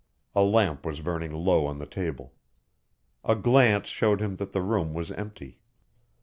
A lamp was burning low on the table. A glance showed him that the room was empty.